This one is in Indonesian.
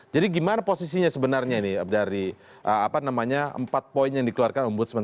jadi gimana posisinya sebenarnya ini dari empat poin yang dikeluarkan ombudsman